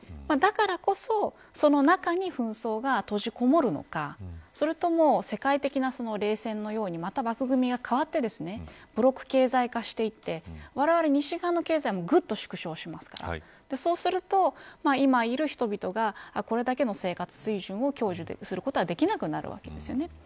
だからこそその中に紛争が閉じこもるのかそれとも世界的な冷戦のようにまた枠組みが変わってブロック経済化していってわれわれ西側の経済もぐっと縮小しますからそうすると今いる人々がこれだけの生活水準を享受することができなくなるわけです。